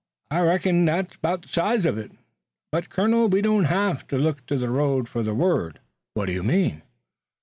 "I reckon that's 'bout the size uv it. But, colonel, we don't hev to look to the road fur the word." "What do you mean?"